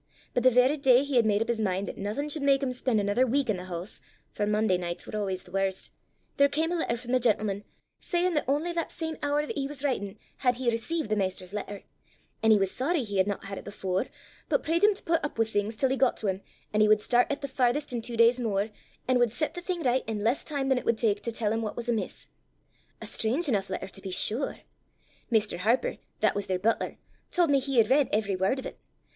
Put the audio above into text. But the varra day he had made up his min' that nothing should mak him spend another week i' the hoose, for Monday nights were always the worst, there cam a letter from the gentleman, sayin' that only that same hoor that he was writin' had he received the maister's letter; an' he was sorry he had not had it before, but prayed him to put up with things till he got to him, and he would start at the farthest in two days more, and would set the thing right in less time than it would take to tell him what was amiss. A strange enough letter to be sure! Mr. Harper, that was their butler, told me he had read every word of it!